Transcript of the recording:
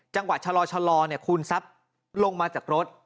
จังหวะชะลอเนี่ยคูณซับลงมาจากรถ